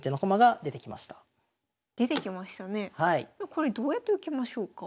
これどうやって受けましょうか。